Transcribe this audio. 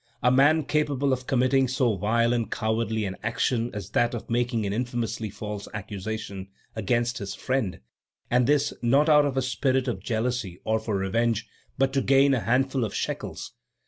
A man capable of committing so vile and cowardly an action as that of making an infamously false accusation against his friend, and this, not out of a spirit of jealousy, or for revenge, but to gain a handful of shekels!